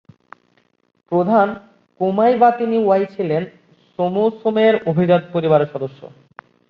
প্রধান কোমাইবাতিনিওয়াই ছিলেন সোমোসোমোর অভিজাত পরিবারের সদস্য।